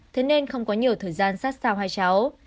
thế nên không có nhiều thời gian sát sao hai cháu